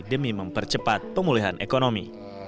demi mempercepat pemulihan ekonomi